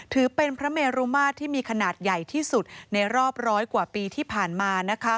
ถือเป็นพระเมรุมาตรที่มีขนาดใหญ่ที่สุดในรอบร้อยกว่าปีที่ผ่านมา